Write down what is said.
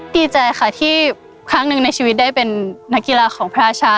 ดีใจค่ะที่ครั้งหนึ่งในชีวิตได้เป็นนักกีฬาของพระราชา